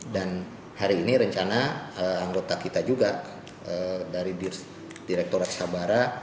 dan hari ini rencana anggota kita juga dari direkturat sabara